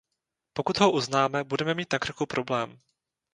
Pokud ho uznáme, budeme mít na krku problém.